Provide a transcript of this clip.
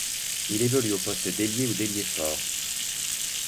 Il évolue au poste d'ailier ou d'ailier fort.